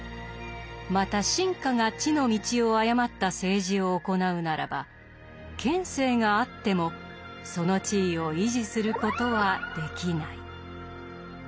また臣下が地の道を誤った政治を行うならば権勢があってもその地位を維持することはできない」。